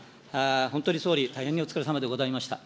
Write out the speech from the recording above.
本当に総理、大変にお疲れさまでございました。